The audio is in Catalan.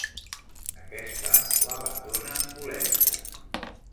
Aquesta l'abandona colèrica.